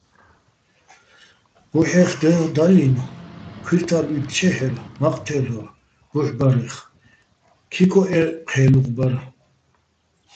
ბუჰ̦ეხ დალინო̆ ქუჲრთა́ლ უ́ჲთთჩეჰ̦ერ, მაყ თე́ლ'ორ ბუჰ̦ ბარეხ, ქიქოჸ ე ჴე́ლუღ ბარ.